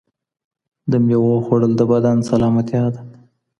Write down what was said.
د مېوو خوړل د بدن سلامتیا ده.